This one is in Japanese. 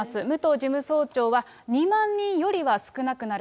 事務総長は２万人よりは少なくなる。